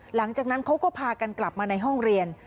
หลังจากนั้นเขาก็พากันกลับมาในห้องเรียน